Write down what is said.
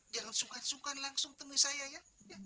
jangan sukan sukan langsung temui saya ya